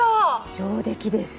上出来です。